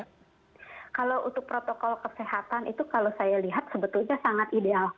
kalau untuk protokol kesehatan itu kalau saya lihat sebetulnya sangat ideal